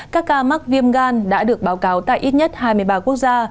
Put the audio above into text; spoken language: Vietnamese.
các ca mắc viêm gan đã được báo cáo tại ít nhất hai mươi ba quốc gia